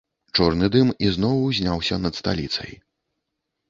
Чорны дым ізноў узняўся над сталіцай.